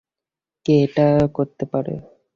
কে এটা করতে পারে?